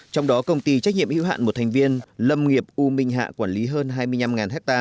trong đó công ty trách nhiệm hữu hạn một thành viên lâm nghiệp u minh hạ quản lý hơn hai mươi năm ha